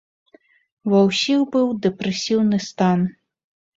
Ва ўсіх быў дэпрэсіўны стан.